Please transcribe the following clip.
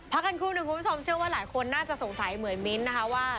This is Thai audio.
พระคัญครูหนึ่งคุณพี่สอมเชี่ยวว่าหลายคนน่าจะสงสัยเหมือนมิ้นท์นะคะว่า